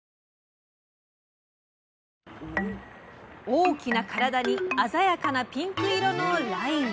大きな体に鮮やかなピンク色のライン。